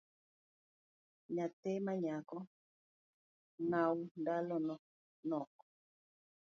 Nyathi manyako ng’aw ndalone nok